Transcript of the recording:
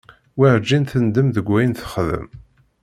Werǧin tendem deg wayen texdem.